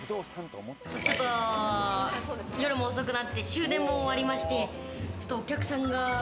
ちょっと夜も遅くなって終電も終わりまして、お客さんが。